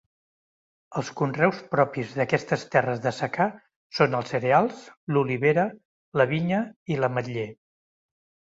Els conreus propis d'aquestes terres de secà són els cereals, l'olivera, la vinya i l'ametller.